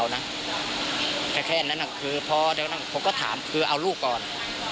หลุดแกร่ง